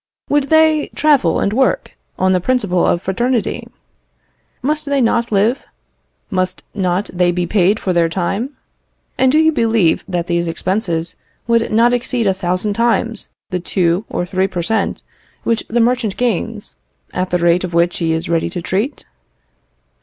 Would they travel and work on the principle of fraternity? Must they not live? Must not they be paid for their time? And do you believe that these expenses would not exceed a thousand times the two or three per cent. which the merchant gains, at the rate at which he is ready to treat?